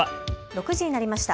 ６時になりました。